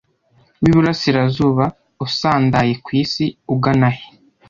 W iburasirazuba usandaye ku isi ugana he